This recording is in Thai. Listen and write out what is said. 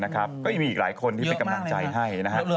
ก็มีกว่าหีกหลายคนที่ไปกำหนังใจให้